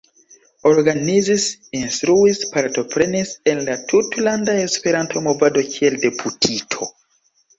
Organizis, instruis, partoprenis en la tutlanda esperanto-movado kiel deputito.